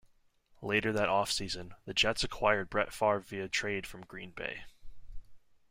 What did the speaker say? Later that offseason, the Jets acquired Brett Favre via trade from Green Bay.